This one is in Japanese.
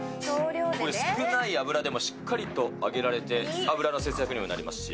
これ、少ない油でもしっかりと揚げられて、油の節約にもなりますし。